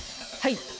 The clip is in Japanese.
はい。